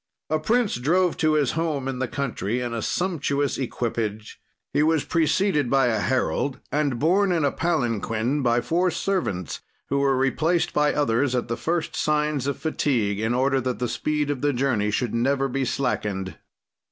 "A prince drove to his home in the country in a sumptuous equipage. "He was preceded by a herald and borne in a palanquin by four servants, who were replaced by others at the first signs of fatigue, in order that the speed of the journey should never be slackened.